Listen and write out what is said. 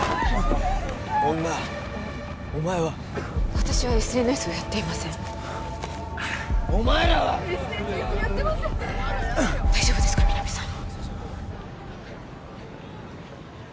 女お前は私はＳＮＳをやっていませんお前らは・ＳＮＳやってませんうっ大丈夫ですか皆実さん